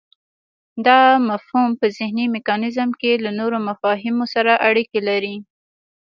دا مفهوم په ذهني میکانیزم کې له نورو مفاهیمو سره اړیکی لري